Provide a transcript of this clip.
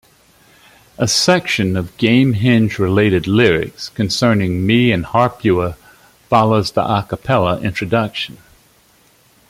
A section of Gamehendge-related lyrics, concerning "me and Harpua", follows the a cappella introduction.